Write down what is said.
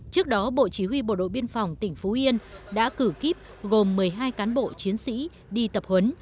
trước đó bộ chỉ huy bộ đội biên phòng tỉnh phú yên đã cử kiếp gồm một mươi hai cán bộ chiến sĩ đi tập huấn